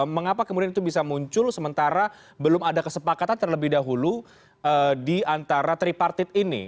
mengapa kemudian itu bisa muncul sementara belum ada kesepakatan terlebih dahulu di antara tripartit ini